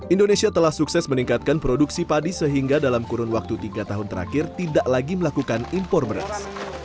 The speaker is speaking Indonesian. indonesia telah sukses meningkatkan produksi padi sehingga dalam kurun waktu tiga tahun terakhir tidak lagi melakukan impor beras